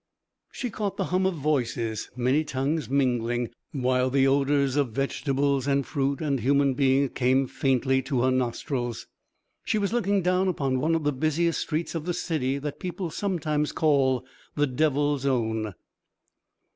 She caught the hum of voices, many tongues mingling, while the odours of vegetables and fruit and human beings came faintly to her nostrils. She was looking down upon one of the busiest streets of the city that people sometimes call the Devil's Own.